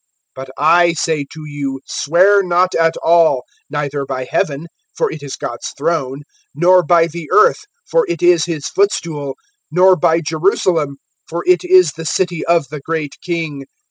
(34)But I say to you, swear not at all; neither by heaven, for it is God's throne; (35)nor by the earth, for it is his footstool; nor by Jerusalem, for it is the city of the great King.